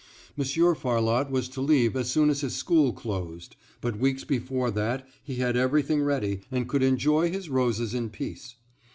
Monsieur Farlotte was to leave as soon as his school closed, but weeks before that he had everything ready, and could enjoy his roses in peace.